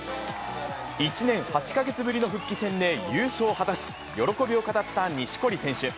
１年８か月ぶりの復帰戦で優勝を果たし、喜びを語った錦織選手。